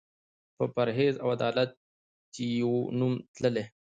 په پرهېز او عدالت یې وو نوم تللی